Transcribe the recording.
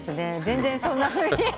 全然そんなふうには。